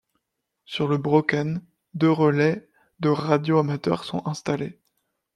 Sur le Brocken, deux relais de radio amateur sont installés.